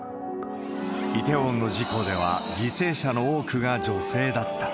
イテウォンの事故では、犠牲者の多くが女性だった。